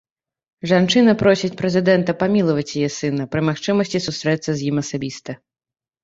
Жанчына просіць прэзідэнта памілаваць яе сына, пры магчымасці сустрэцца з ім асабіста.